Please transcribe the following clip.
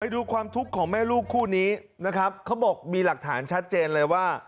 ดูความทุกข์ของแม่ลูกคู่นี้นะครับเขาบอกมีหลักฐานชัดเจนเลยว่า